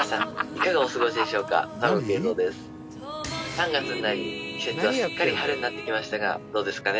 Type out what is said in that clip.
「３月になり季節はすっかり春になってきましたがどうですかね？」